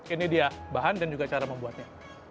ini dia bahan dan juga cara membuatnya